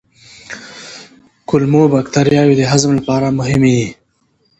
کولمو بکتریاوې د هضم لپاره مهمې دي.